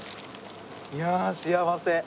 いや幸せ。